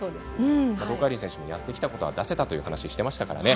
東海林選手もやってきたことは出せたとお話をしていましたからね。